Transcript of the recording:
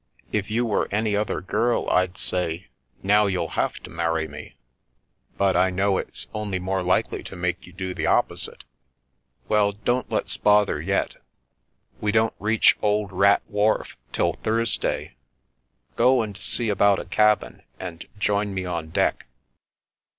If you were any other girl, I'd say, ' Now you'll have to marry me !' but I know it's only more likely to make you do the opposite." "Well, don't let's bother yet. We don't reach Old Rat Wharf till Thursday. Go and see about a cabin, and join me on deck."